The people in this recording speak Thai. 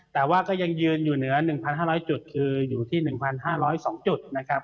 แต่ว่าก็ยังยืนอยู่เหนือ๑๕๐๐จุดคืออยู่ที่๑๕๐๒จุดนะครับ